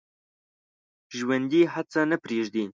ژوندي هڅه نه پرېږدي